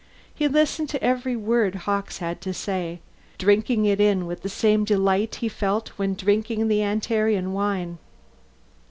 He listened to every word Hawkes had to say, drinking it in with the same delight he felt when drinking the Antarean wine.